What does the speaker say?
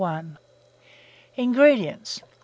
INGREDIENTS.